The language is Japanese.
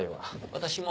私も。